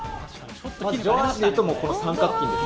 上半身でいうとこの三角筋です。